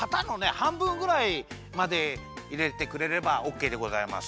はんぶんぐらいまでいれてくれればオッケーでございます。